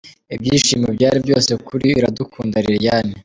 Ibyishimo byari byose kuri Iradukunda Liliane.